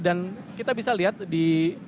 dan kita bisa lihat di